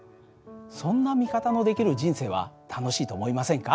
そんな見方のできる人生は楽しいと思いませんか？